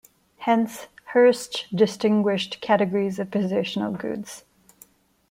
Hence, Hirsch distinguished categories of positional goods.